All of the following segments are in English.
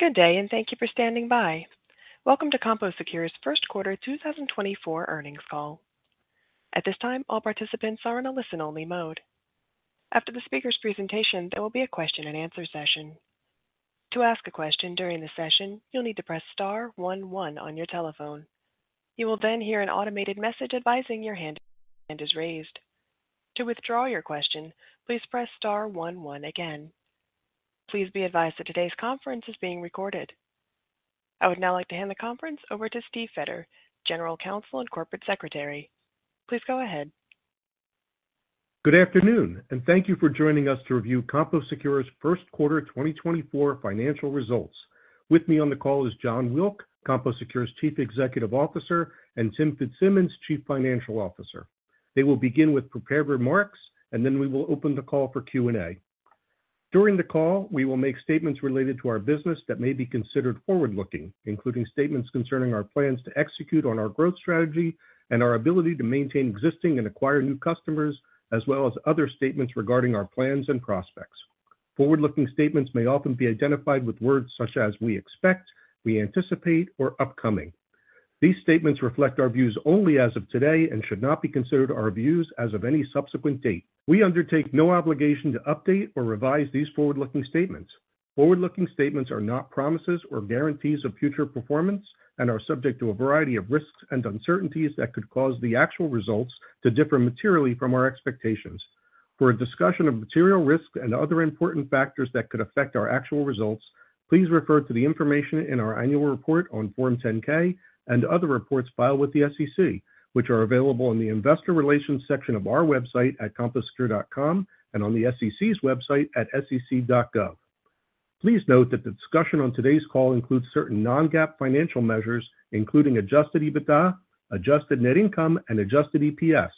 Good day, and thank you for standing by. Welcome to CompoSecure's first quarter 2024 earnings call. At this time, all participants are in a listen-only mode. After the speaker's presentation, there will be a question-and-answer session. To ask a question during the session, you'll need to press star one one on your telephone. You will then hear an automated message advising your hand is raised. To withdraw your question, please press star one one again. Please be advised that today's conference is being recorded. I would now like to hand the conference over to Steve Fetter, General Counsel and Corporate Secretary. Please go ahead. Good afternoon, and thank you for joining us to review CompoSecure's first quarter 2024 financial results. With me on the call is Jon Wilk, CompoSecure's Chief Executive Officer, and Tim Fitzsimmons, Chief Financial Officer. They will begin with prepared remarks, and then we will open the call for Q&A. During the call, we will make statements related to our business that may be considered forward-looking, including statements concerning our plans to execute on our growth strategy and our ability to maintain existing and acquire new customers, as well as other statements regarding our plans and prospects. Forward-looking statements may often be identified with words such as we expect, we anticipate, or upcoming. These statements reflect our views only as of today and should not be considered our views as of any subsequent date. We undertake no obligation to update or revise these forward-looking statements. Forward-looking statements are not promises or guarantees of future performance and are subject to a variety of risks and uncertainties that could cause the actual results to differ materially from our expectations. For a discussion of material risks and other important factors that could affect our actual results, please refer to the information in our annual report on Form 10-K and other reports filed with the SEC, which are available in the Investor Relations section of our website at composecure.com and on the SEC's website at sec.gov. Please note that the discussion on today's call includes certain non-GAAP financial measures, including adjusted EBITDA, adjusted net income, and adjusted EPS.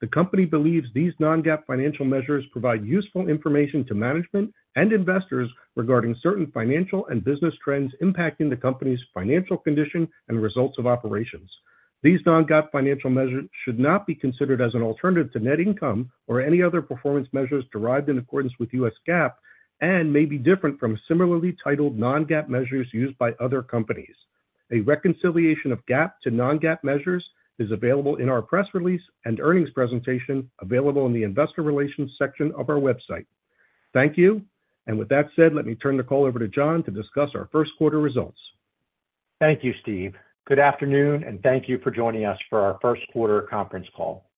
The company believes these non-GAAP financial measures provide useful information to management and investors regarding certain financial and business trends impacting the company's financial condition and results of operations. These non-GAAP financial measures should not be considered as an alternative to net income or any other performance measures derived in accordance with U.S. GAAP and may be different from similarly titled non-GAAP measures used by other companies. A reconciliation of GAAP to non-GAAP measures is available in our press release and earnings presentation available in the Investor Relations section of our website. Thank you. With that said, let me turn the call over to John to discuss our first quarter results. Thank you, Steve. Good afternoon, and thank you for joining us for our first quarter conference call.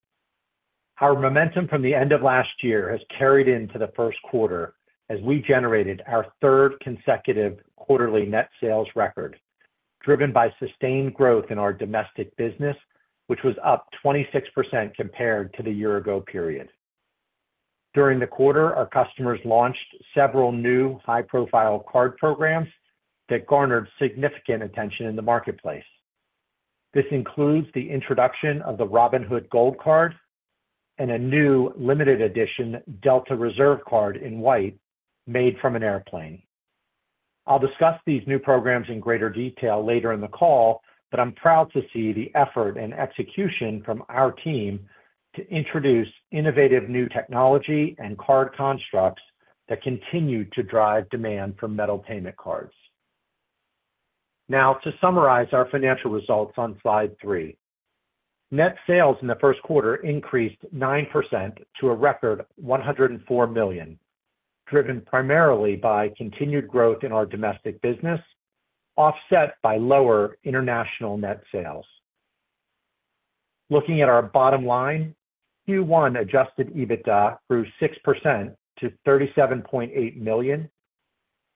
Our momentum from the end of last year has carried into the first quarter as we generated our third consecutive quarterly net sales record, driven by sustained growth in our domestic business, which was up 26% compared to the year ago period. During the quarter, our customers launched several new high-profile card programs that garnered significant attention in the marketplace. This includes the introduction of the Robinhood Gold Card and a new limited edition Delta Reserve Card in white made from an airplane. I'll discuss these new programs in greater detail later in the call, but I'm proud to see the effort and execution from our team to introduce innovative new technology and card constructs that continue to drive demand for metal payment cards. Now, to summarize our financial results on slide three. Net sales in the first quarter increased 9% to a record $104 million, driven primarily by continued growth in our domestic business, offset by lower international net sales. Looking at our bottom line, Q1 adjusted EBITDA grew 6% - $37.8 million,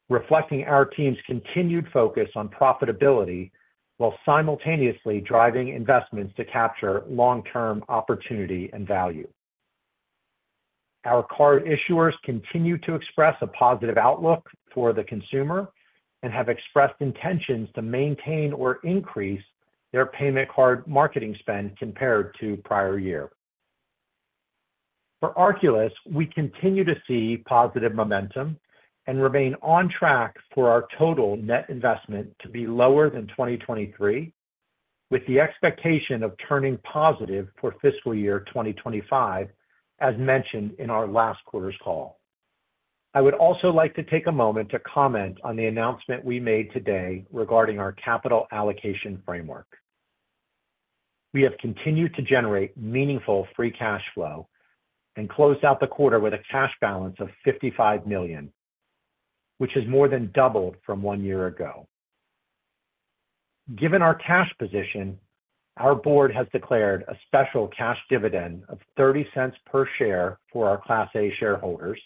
reflecting our team's continued focus on profitability while simultaneously driving investments to capture long-term opportunity and value. Our card issuers continue to express a positive outlook for the consumer and have expressed intentions to maintain or increase their payment card marketing spend compared to prior year. For Arculus, we continue to see positive momentum and remain on track for our total net investment to be lower than 2023, with the expectation of turning positive for fiscal year 2025, as mentioned in our last quarter's call. I would also like to take a moment to comment on the announcement we made today regarding our capital allocation framework. We have continued to generate meaningful free cash flow and closed out the quarter with a cash balance of $55 million, which is more than doubled from one year ago. Given our cash position, our board has declared a special cash dividend of $0.30 per share for our Class A shareholders,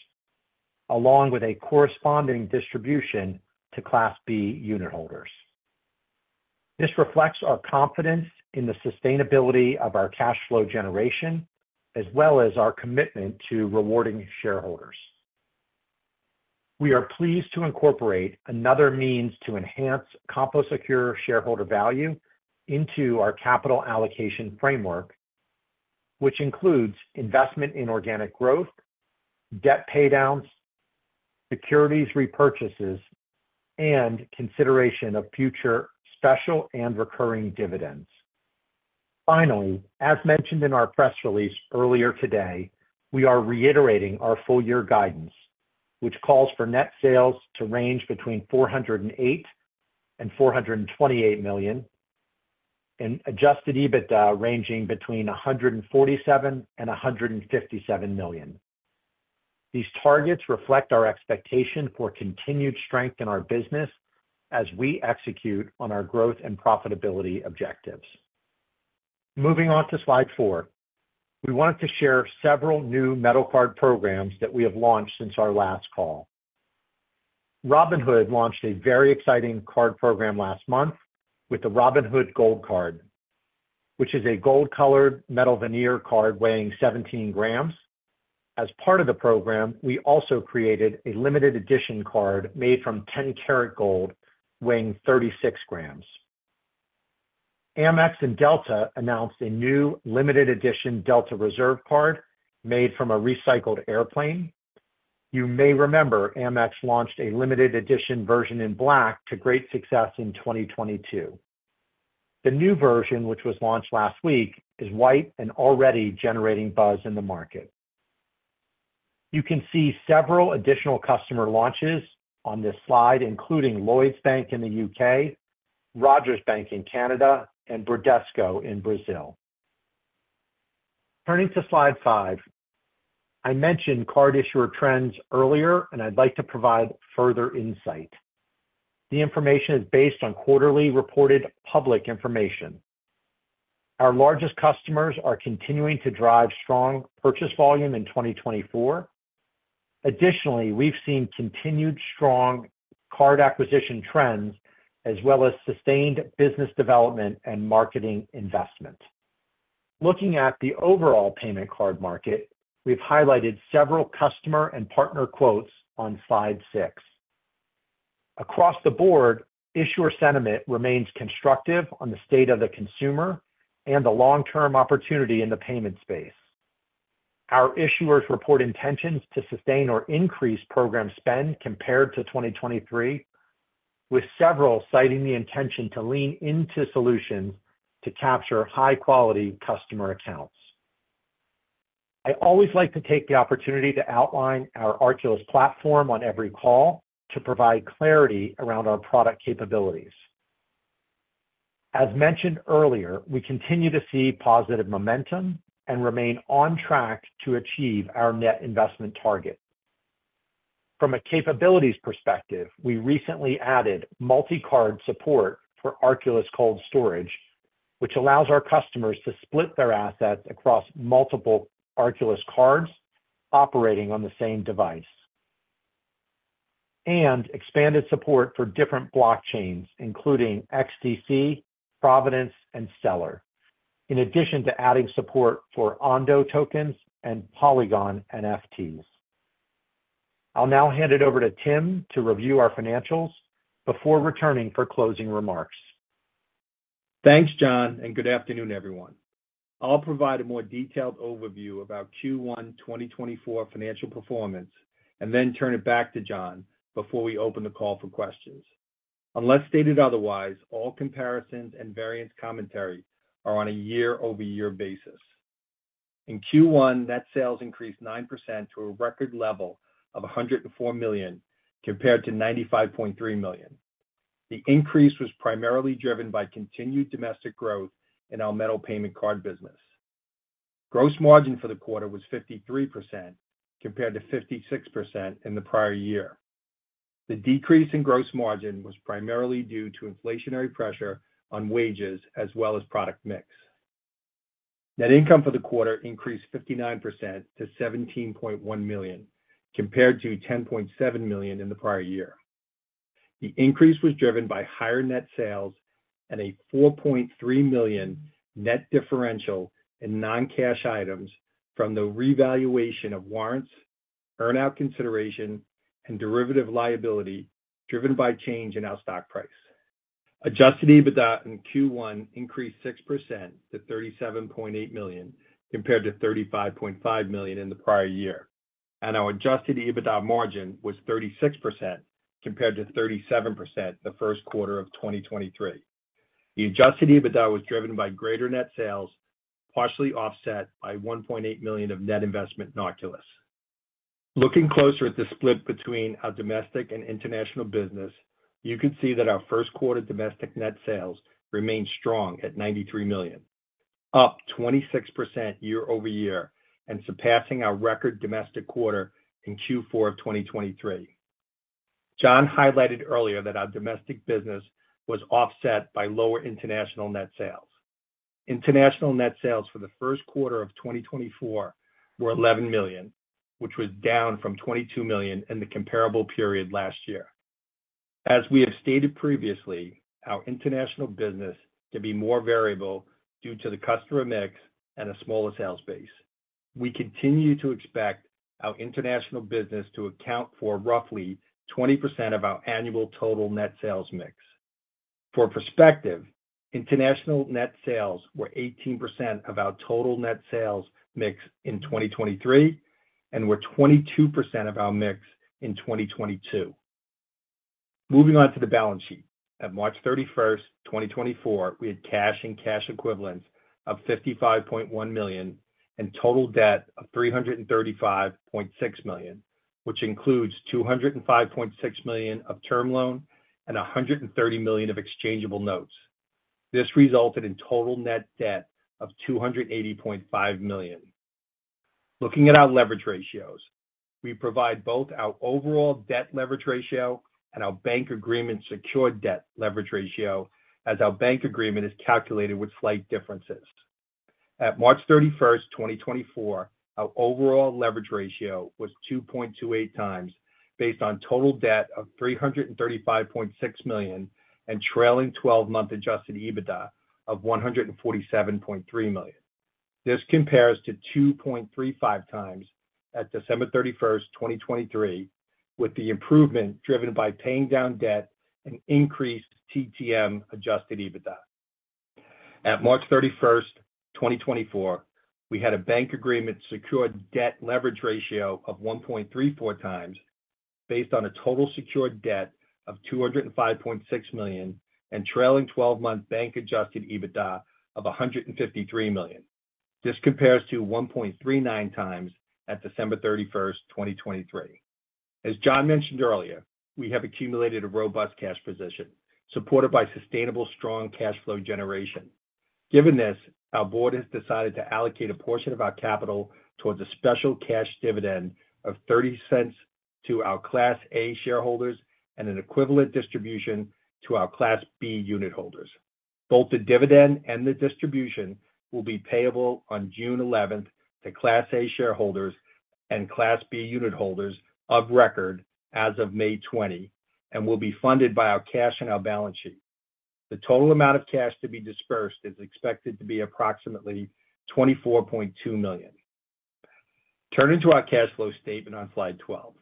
along with a corresponding distribution to Class B unitholders. This reflects our confidence in the sustainability of our cash flow generation, as well as our commitment to rewarding shareholders. We are pleased to incorporate another means to enhance CompoSecure shareholder value into our capital allocation framework, which includes investment in organic growth, debt paydowns, securities repurchases, and consideration of future special and recurring dividends... Finally, as mentioned in our press release earlier today, we are reiterating our full year guidance, which calls for net sales to range between $408 million and $428 million, and adjusted EBITDA ranging between $147 million and $157 million. These targets reflect our expectation for continued strength in our business as we execute on our growth and profitability objectives. Moving on to slide 4. We wanted to share several new metal card programs that we have launched since our last call. Robinhood launched a very exciting card program last month with the Robinhood Gold Card, which is a gold-colored metal veneer card weighing 17 grams. As part of the program, we also created a limited edition card made from 10-karat gold, weighing 36 grams. Amex and Delta announced a new limited edition Delta Reserve Card made from a recycled airplane. You may remember Amex launched a limited edition version in black to great success in 2022. The new version, which was launched last week, is white and already generating buzz in the market. You can see several additional customer launches on this slide, including Lloyds Bank in the U.K, Rogers Bank in Canada, and Bradesco in Brazil. Turning to slide 5, I mentioned card issuer trends earlier, and I'd like to provide further insight. The information is based on quarterly reported public information. Our largest customers are continuing to drive strong purchase volume in 2024. Additionally, we've seen continued strong card acquisition trends, as well as sustained business development and marketing investment. Looking at the overall payment card market, we've highlighted several customer and partner quotes on slide 6. Across the board, issuer sentiment remains constructive on the state of the consumer and the long-term opportunity in the payment space. Our issuers report intentions to sustain or increase program spend compared to 2023, with several citing the intention to lean into solutions to capture high-quality customer accounts. I always like to take the opportunity to outline our Arculus platform on every call to provide clarity around our product capabilities. As mentioned earlier, we continue to see positive momentum and remain on track to achieve our net investment target. From a capabilities perspective, we recently added multi-card support for Arculus cold storage, which allows our customers to split their assets across multiple Arculus cards operating on the same device, and expanded support for different blockchains, including XDC, Provenance, and Stellar, in addition to adding support for Ondo tokens and Polygon NFTs. I'll now hand it over to Tim to review our financials before returning for closing remarks. Thanks, John, and good afternoon, everyone. I'll provide a more detailed overview of our Q1 2024 financial performance and then turn it back to John before we open the call for questions. Unless stated otherwise, all comparisons and variance commentary are on a year-over-year basis. In Q1, net sales increased 9% to a record level of $104 million, compared to $95.3 million. The increase was primarily driven by continued domestic growth in our metal payment card business. Gross margin for the quarter was 53%, compared to 56% in the prior year. The decrease in gross margin was primarily due to inflationary pressure on wages as well as product mix. Net income for the quarter increased 59% to $17.1 million, compared to $10.7 million in the prior year. The increase was driven by higher net sales and a $4.3 million net differential in non-cash items from the revaluation of warrants, earn out consideration, and derivative liability, driven by change in our stock price. Adjusted EBITDA in Q1 increased 6% -$37.8 million, compared to $35.5 million in the prior year, and our adjusted EBITDA margin was 36%, compared to 37% the first quarter of 2023. The adjusted EBITDA was driven by greater net sales, partially offset by $1.8 million of net investment in Arculus. Looking closer at the split between our domestic and international business, you can see that our first quarter domestic net sales remained strong at $93 million, up 26% year-over-year and surpassing our record domestic quarter in Q4 of 2023. John highlighted earlier that our domestic business was offset by lower international net sales. International net sales for the first quarter of 2024 were $11 million, which was down from $22 million in the comparable period last year. As we have stated previously, our international business can be more variable due to the customer mix and a smaller sales base. We continue to expect our international business to account for roughly 20% of our annual total net sales mix. For perspective, international net sales were 18% of our total net sales mix in 2023 and were 22% of our mix in 2022.... Moving on to the balance sheet. At March 31st, 2024, we had cash and cash equivalents of $55.1 million, and total debt of $335.6 million, which includes $205.6 million of term loan and $130 million of exchangeable notes. This resulted in total net debt of $280.5 million. Looking at our leverage ratios, we provide both our overall debt leverage ratio and our bank agreement secured debt leverage ratio, as our bank agreement is calculated with slight differences. At March 31st, 2024, our overall leverage ratio was 2.28x, based on total debt of $335.6 million and trailing 12-month Adjusted EBITDA of $147.3 million. This compares to 2.35 times at 31st December, 2023, with the improvement driven by paying down debt and increased TTM Adjusted EBITDA. At 31st March, 2024, we had a bank agreement secured debt leverage ratio of 1.34 times based on a total secured debt of $205.6 million and trailing twelve-month bank Adjusted EBITDA of $153 million. This compares to 1.39 times at 31st December, 2023. As John mentioned earlier, we have accumulated a robust cash position, supported by sustainable strong cash flow generation. Given this, our board has decided to allocate a portion of our capital towards a special cash dividend of $0.30 to our Class A Shareholders and an equivalent distribution to our Class B Unitholders. Both the dividend and the distribution will be payable on 11th June to Class A Shareholders and Class B Unitholders of record as of 20th May, and will be funded by our cash on our balance sheet. The total amount of cash to be disbursed is expected to be approximately $24.2 million. Turning to our cash flow statement on slide 12.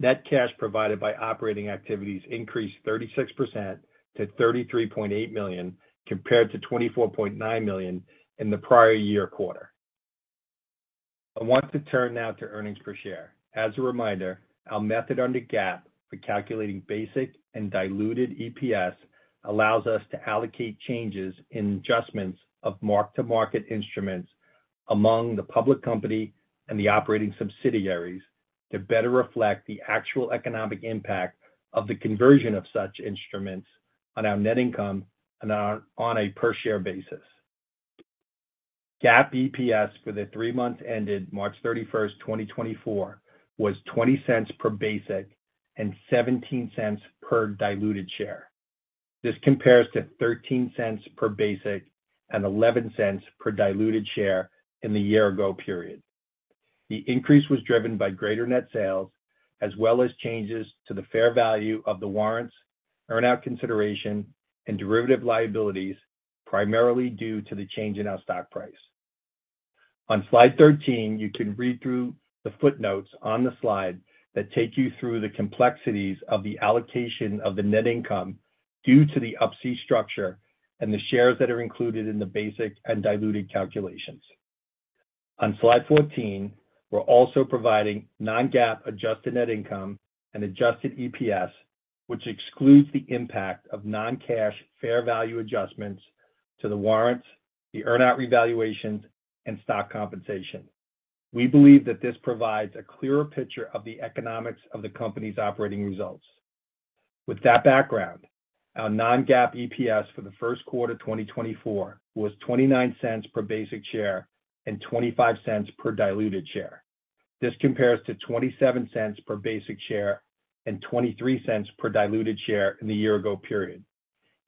Net cash provided by operating activities increased 36% to $33.8 million, compared to $24.9 million in the prior-year quarter. I want to turn now to earnings per share. As a reminder, our method under GAAP for calculating basic and diluted EPS allows us to allocate changes in adjustments of mark-to-market instruments among the public company and the operating subsidiaries to better reflect the actual economic impact of the conversion of such instruments on our net income and on a per-share basis. GAAP EPS for the three months ended 31st March, 2024, was $0.20 per basic and $0.17 per diluted share. This compares to $0.13 per basic and $0.11 per diluted share in the year ago period. The increase was driven by greater net sales, as well as changes to the fair value of the warrants, earn out consideration, and derivative liabilities, primarily due to the change in our stock price. On slide 13, you can read through the footnotes on the slide that take you through the complexities of the allocation of the net income due to the Up-C structure and the shares that are included in the basic and diluted calculations. On slide 14, we're also providing non-GAAP adjusted net income and adjusted EPS, which excludes the impact of non-cash fair value adjustments to the warrants, the earn out revaluations, and stock compensation. We believe that this provides a clearer picture of the economics of the company's operating results. With that background, our non-GAAP EPS for the first quarter, 2024, was $0.29 per basic share and $0.25 per diluted share. This compares to $0.27 per basic share and $0.23 per diluted share in the year ago period.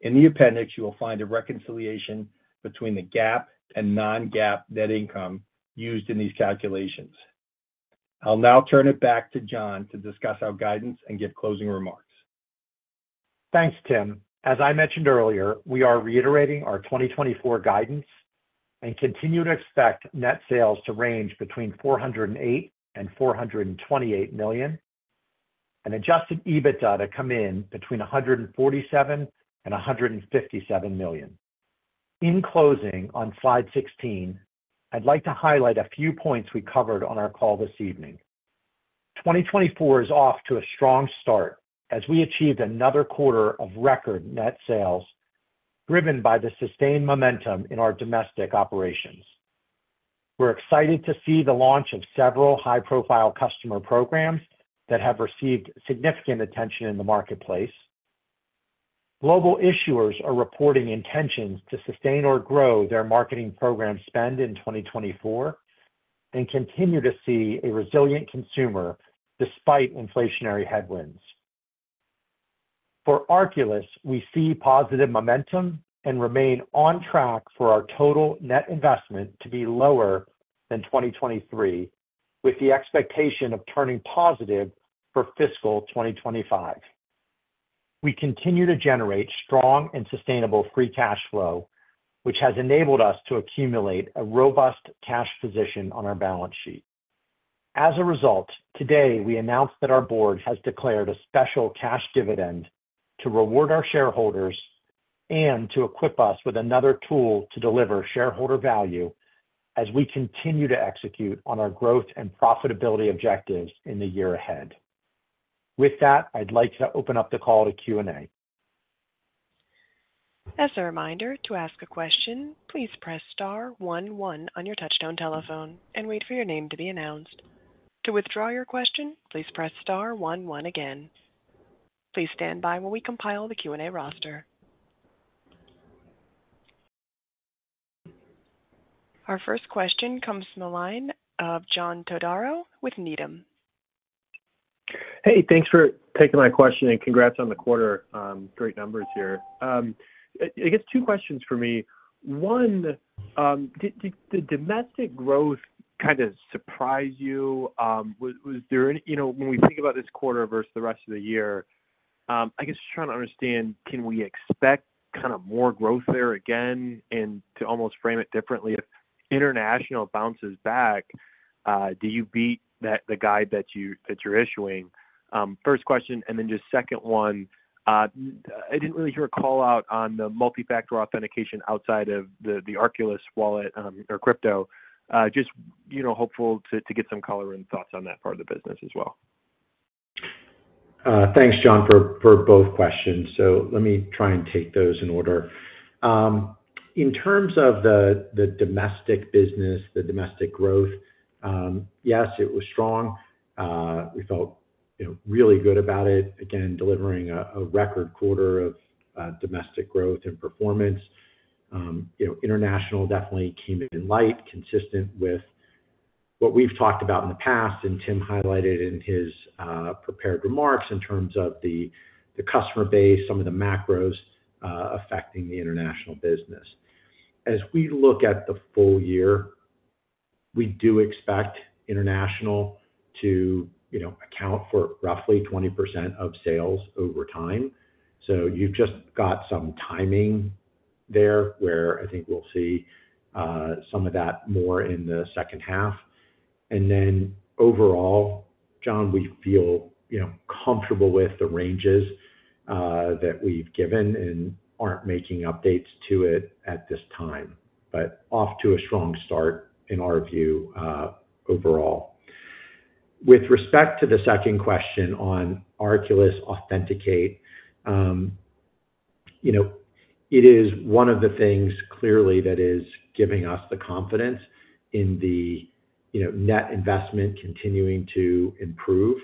In the appendix, you will find a reconciliation between the GAAP and non-GAAP net income used in these calculations. I'll now turn it back to John to discuss our guidance and give closing remarks. Thanks, Tim. As I mentioned earlier, we are reiterating our 2024 guidance and continue to expect net sales to range between $408 million and $428 million, and adjusted EBITDA to come in between $147 million and $157 million. In closing, on slide 16, I'd like to highlight a few points we covered on our call this evening. 2024 is off to a strong start as we achieved another quarter of record net sales, driven by the sustained momentum in our domestic operations. We're excited to see the launch of several high-profile customer programs that have received significant attention in the marketplace. Global issuers are reporting intentions to sustain or grow their marketing program spend in 2024, and continue to see a resilient consumer despite inflationary headwinds. For Arculus, we see positive momentum and remain on track for our total net investment to be lower than 2023, with the expectation of turning positive for fiscal 2025. We continue to generate strong and sustainable free cash flow, which has enabled us to accumulate a robust cash position on our balance sheet. As a result, today, we announced that our board has declared a special cash dividend to reward our shareholders-... and to equip us with another tool to deliver shareholder value as we continue to execute on our growth and profitability objectives in the year ahead. With that, I'd like to open up the call to Q&A. As a reminder, to ask a question, please press star one, one on your touchtone telephone and wait for your name to be announced. To withdraw your question, please press star one, one again. Please stand by while we compile the Q&A roster. Our first question comes from the line of John Todaro with Needham. Hey, thanks for taking my question, and congrats on the quarter. Great numbers here. I guess two questions for me. One, did the domestic growth kind of surprise you? Was there any, you know, when we think about this quarter versus the rest of the year, I guess just trying to understand, can we expect kind of more growth there again? And to almost frame it differently, if international bounces back, do you beat that, the guide that you're issuing? First question, and then just second one, I didn't really hear a call-out on the multifactor authentication outside of the Arculus wallet, or crypto. Just, you know, hopeful to get some color and thoughts on that part of the business as well. Thanks, John, for both questions. So let me try and take those in order. In terms of the domestic business, the domestic growth, yes, it was strong. We felt, you know, really good about it. Again, delivering a record quarter of domestic growth and performance. You know, international definitely came in light, consistent with what we've talked about in the past, and Tim highlighted in his prepared remarks in terms of the customer base, some of the macros affecting the international business. As we look at the full year, we do expect international to, you know, account for roughly 20% of sales over time. So you've just got some timing there, where I think we'll see some of that more in the second half. And then overall, John, we feel, you know, comfortable with the ranges that we've given and aren't making updates to it at this time. But off to a strong start, in our view, overall. With respect to the second question on Arculus Authenticate, you know, it is one of the things clearly that is giving us the confidence in the, you know, net investment continuing to improve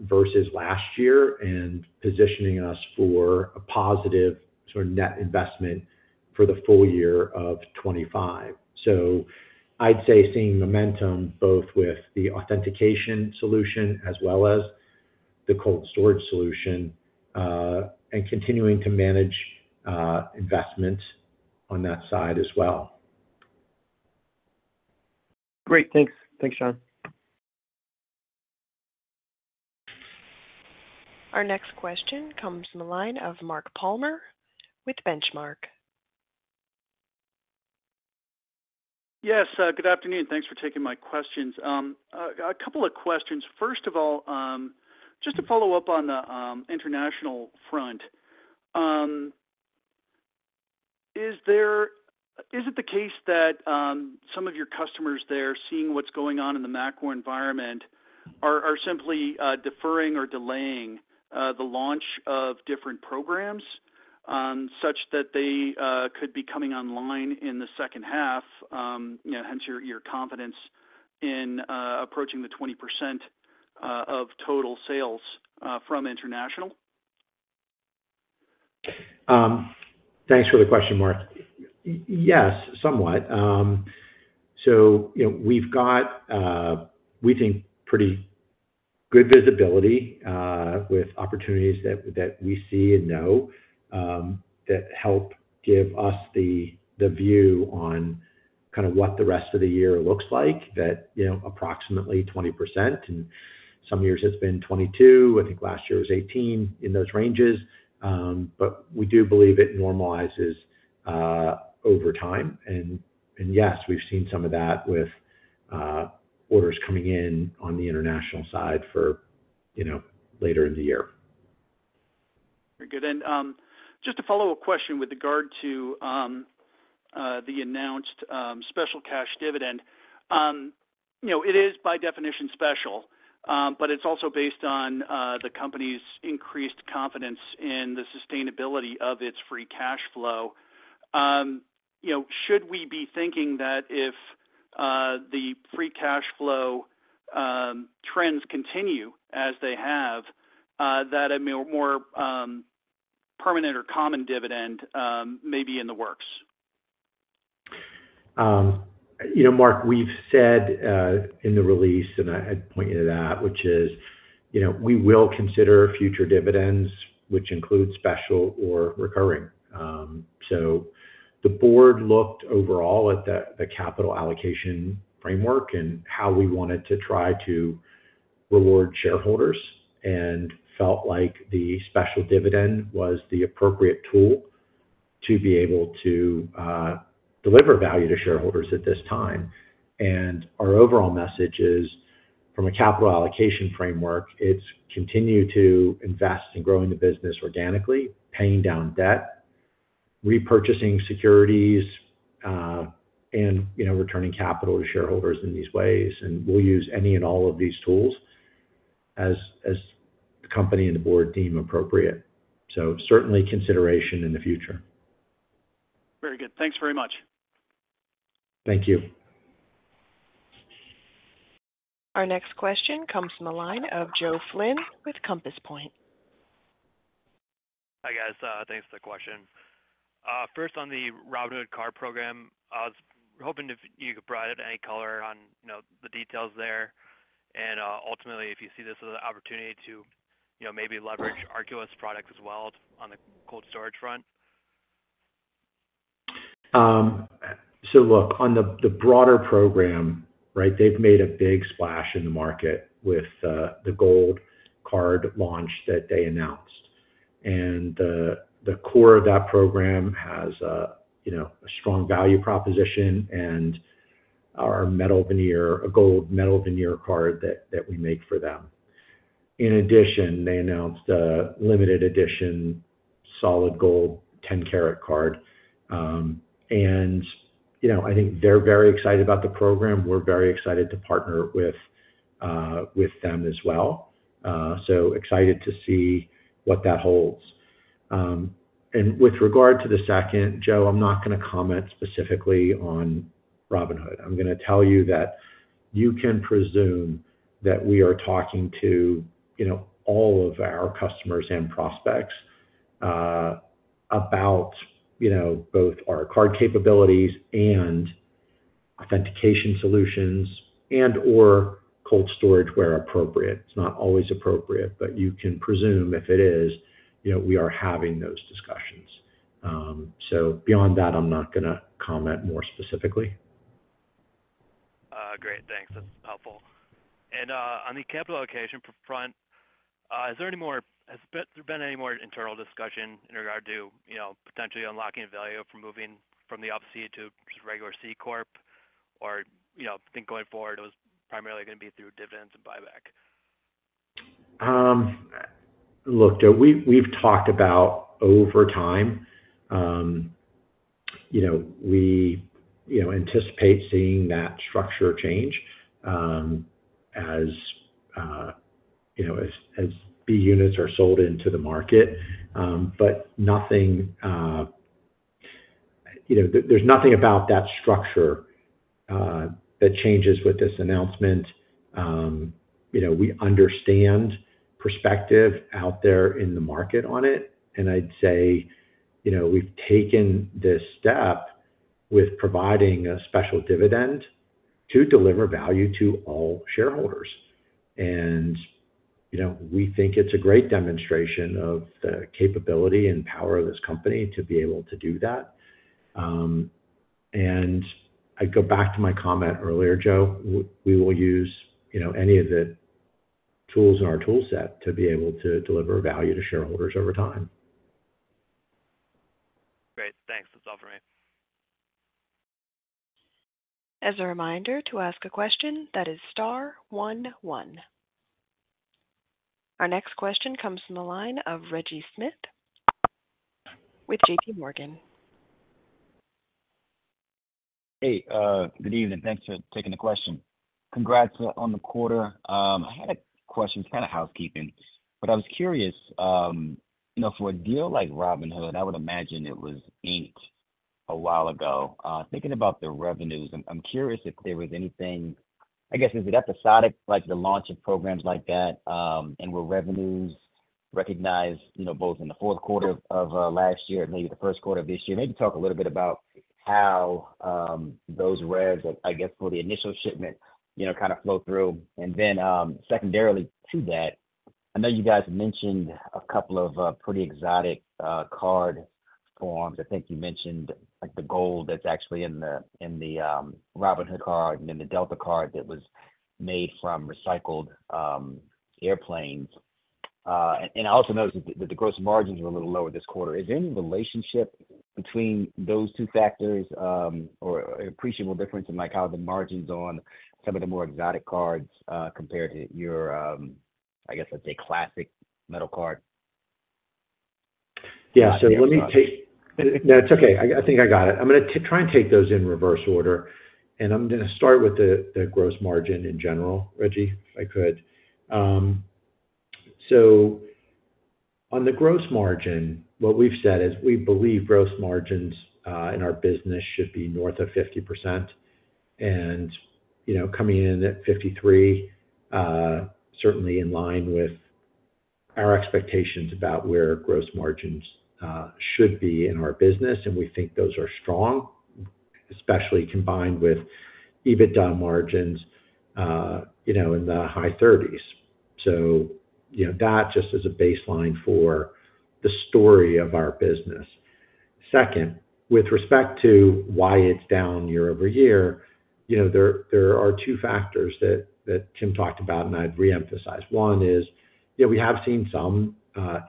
versus last year and positioning us for a positive sort of net investment for the full year of 2025. So I'd say seeing momentum both with the authentication solution as well as the cold storage solution and continuing to manage investment on that side as well. Great. Thanks. Thanks, John. Our next question comes from the line of Mark Palmer with Benchmark. Yes, good afternoon. Thanks for taking my questions. A couple of questions. First of all, just to follow up on the international front, is it the case that some of your customers there, seeing what's going on in the macro environment, are simply deferring or delaying the launch of different programs such that they could be coming online in the second half, you know, hence your confidence in approaching the 20% of total sales from international? Thanks for the question, Mark. Yes, somewhat. So you know, we've got, we think, pretty good visibility, with opportunities that we see and know, that help give us the view on kind of what the rest of the year looks like, that you know, approximately 20%, and some years it's been 22. I think last year was 18, in those ranges. But we do believe it normalizes, over time. And yes, we've seen some of that with orders coming in on the international side for, you know, later in the year. Very good. And, just a follow-up question with regard to the announced special cash dividend. You know, it is by definition special, but it's also based on the company's increased confidence in the sustainability of its free cash flow. You know, should we be thinking that if the free cash flow trends continue as they have, that a more permanent or common dividend may be in the works? You know, Mark, we've said in the release, and I'd point you to that, which is, you know, we will consider future dividends, which include special or recurring. So the board looked overall at the capital allocation framework and how we wanted to try to reward shareholders and felt like the special dividend was the appropriate tool to be able to deliver value to shareholders at this time. And our overall message is, from a capital allocation framework, it's continue to invest in growing the business organically, paying down debt, repurchasing securities, and, you know, returning capital to shareholders in these ways, and we'll use any and all of these tools as the company and the board deem appropriate. So certainly consideration in the future. Very good. Thanks very much. Thank you. Our next question comes from the line of Joe Flynn with Compass Point. Hi, guys, thanks for the question. First, on the Robinhood card program, I was hoping if you could provide any color on, you know, the details there and, ultimately, if you see this as an opportunity to, you know, maybe leverage Arculus' product as well on the cold storage front? So look, on the broader program, right, they've made a big splash in the market with the gold card launch that they announced. And the core of that program has a, you know, a strong value proposition and our metal veneer, a gold metal veneer card that we make for them. In addition, they announced a limited edition solid gold 10-karat card. And, you know, I think they're very excited about the program. We're very excited to partner with them as well. So excited to see what that holds. And with regard to the second, Joe, I'm not going to comment specifically on Robinhood. I'm going to tell you that you can presume that we are talking to, you know, all of our customers and prospects, about, you know, both our card capabilities and authentication solutions and/or cold storage, where appropriate. It's not always appropriate, but you can presume if it is, you know, we are having those discussions. So beyond that, I'm not going to comment more specifically. Great, thanks. That's helpful. And, on the capital allocation front, has there been any more internal discussion in regard to, you know, potentially unlocking value from moving from the Up-C to just regular C Corp? Or, you know, I think going forward, it was primarily going to be through dividends and buyback. Look, Joe, we've talked about over time, you know, we anticipate seeing that structure change, as you know, as B units are sold into the market. But nothing... You know, there's nothing about that structure that changes with this announcement. You know, we understand perspective out there in the market on it, and I'd say, you know, we've taken this step with providing a special dividend to deliver value to all shareholders. And, you know, we think it's a great demonstration of the capability and power of this company to be able to do that. And I go back to my comment earlier, Joe, we will use, you know, any of the tools in our toolset to be able to deliver value to shareholders over time. Great. Thanks. That's all for me. As a reminder, to ask a question, that is star one one. Our next question comes from the line of Reggie Smith with J.P. Morgan. Hey, good evening. Thanks for taking the question. Congrats on the quarter. I had a question, kind of housekeeping, but I was curious, you know, for a deal like Robinhood, I would imagine it was inked a while ago. Thinking about the revenues, I'm curious if there was anything, I guess, is it episodic, like the launch of programs like that, and were revenues recognized, you know, both in the fourth quarter of last year and maybe the first quarter of this year? Maybe talk a little bit about how those revs, I guess, for the initial shipment, you know, kind of flow through. And then, secondarily to that, I know you guys mentioned a couple of pretty exotic card forms. I think you mentioned, like, the gold that's actually in the Robinhood card, and then the Delta card that was made from recycled airplanes. I also noticed that the gross margins were a little lower this quarter. Is there any relationship between those two factors, or an appreciable difference in, like, how the margins on some of the more exotic cards compare to your, I guess, let's say, classic metal card? Yeah. So let me take— No, it's okay. I think I got it. I'm going to try and take those in reverse order, and I'm going to start with the gross margin in general, Reggie, if I could. So on the gross margin, what we've said is we believe gross margins in our business should be north of 50%. And, you know, coming in at 53%, certainly in line with our expectations about where gross margins should be in our business, and we think those are strong, especially combined with EBITDA margins, you know, in the high 30s. So, you know, that just as a baseline for the story of our business. Second, with respect to why it's down year-over-year, you know, there are two factors that Tim talked about, and I'd reemphasize. One is, yeah, we have seen some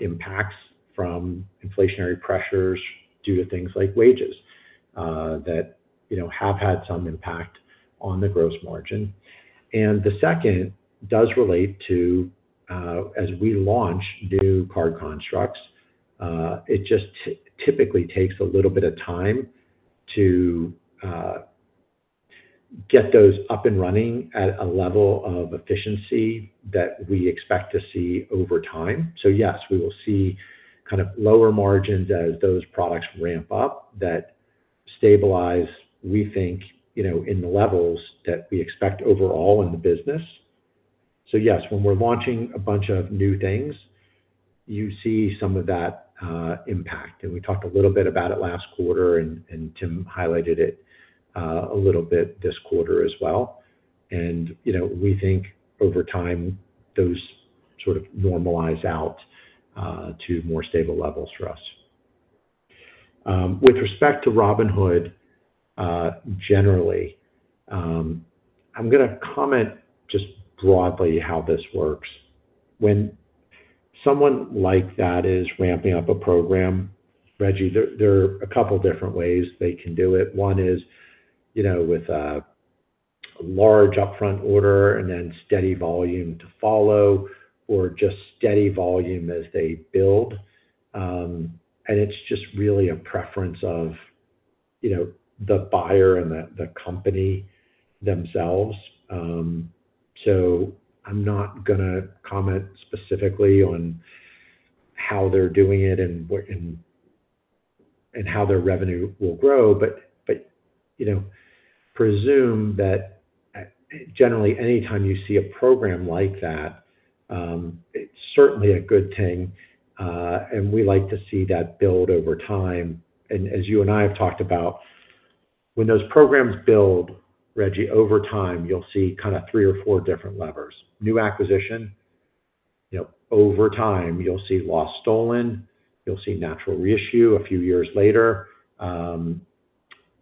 impacts from inflationary pressures due to things like wages that, you know, have had some impact on the gross margin. And the second does relate to, as we launch new card constructs, it just typically takes a little bit of time to get those up and running at a level of efficiency that we expect to see over time. So yes, we will see kind of lower margins as those products ramp up, that stabilize, we think, you know, in the levels that we expect overall in the business. So yes, when we're launching a bunch of new things, you see some of that impact, and we talked a little bit about it last quarter, and Tim highlighted it a little bit this quarter as well. You know, we think over time, those sort of normalize out to more stable levels for us. With respect to Robinhood, generally, I'm gonna comment just broadly how this works. When someone like that is ramping up a program, Reggie, there are a couple different ways they can do it. One is, you know, with a large upfront order and then steady volume to follow or just steady volume as they build. And it's just really a preference of, you know, the buyer and the company themselves. So I'm not gonna comment specifically on how they're doing it and what and how their revenue will grow, but you know, presume that, generally, anytime you see a program like that, it's certainly a good thing, and we like to see that build over time. As you and I have talked about, when those programs build, Reggie, over time, you'll see kinda three or four different levers. New acquisition, you know, over time, you'll see lost stolen, you'll see natural reissue a few years later.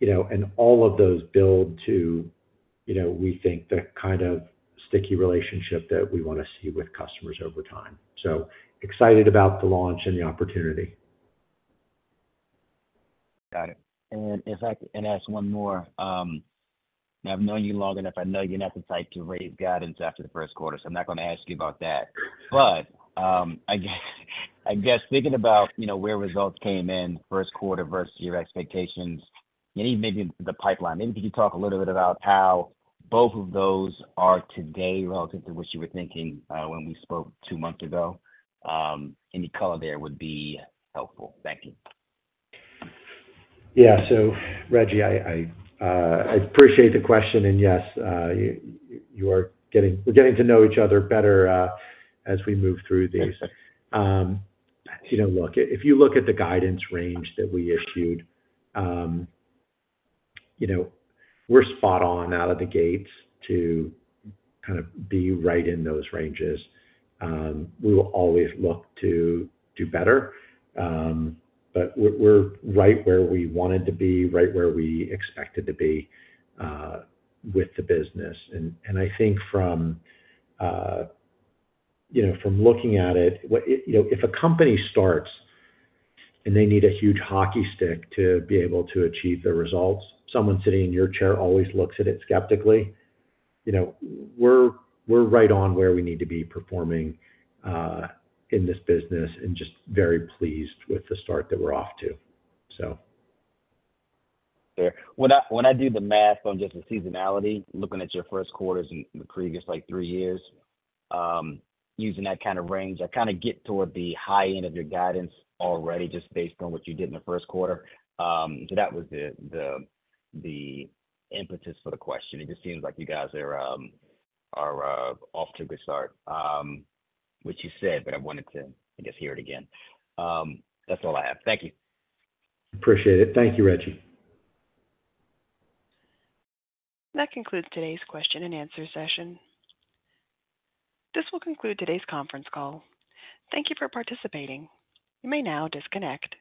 You know, and all of those build to, you know, we think the kind of sticky relationship that we wanna see with customers over time. So excited about the launch and the opportunity. Got it. And if I can ask one more, I've known you long enough, I know you're not the type to raise guidance after the first quarter, so I'm not gonna ask you about that. But, I guess thinking about, you know, where results came in first quarter versus your expectations, maybe the pipeline. Maybe you could talk a little bit about how both of those are today relative to what you were thinking, when we spoke two months ago. Any color there would be helpful. Thank you. Yeah. So, Reggie, I appreciate the question, and yes, you are getting, we're getting to know each other better as we move through these. You know, look, if you look at the guidance range that we issued, you know, we're spot on out of the gates to kind of be right in those ranges. We will always look to do better, but we're right where we wanted to be, right where we expected to be, with the business. And I think, you know, from looking at it, you know, if a company starts and they need a huge hockey stick to be able to achieve their results, someone sitting in your chair always looks at it skeptically. You know, we're right on where we need to be performing in this business and just very pleased with the start that we're off to, so. Yeah. When I do the math on just the seasonality, looking at your first quarters in the previous, like, three years, using that kind of range, I kinda get toward the high end of your guidance already, just based on what you did in the first quarter. So that was the impetus for the question. It just seems like you guys are off to a good start. Which you said, but I wanted to, I guess, hear it again. That's all I have. Thank you. Appreciate it. Thank you, Reggie. That concludes today's question and answer session. This will conclude today's conference call. Thank you for participating. You may now disconnect.